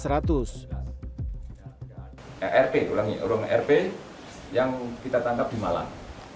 rp uang rp yang kita tangkap di malang